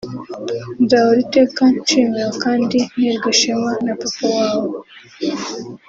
Nzahora iteka nshimira kandi nterwa ishema na Papa wawe